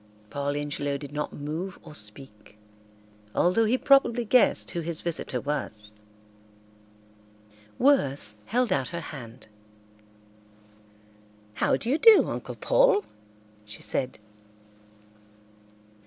Paul Ingelow did not move or speak, although he probably guessed who his visitor was. Worth held out her hand. "How do you do, Uncle Paul?" she said.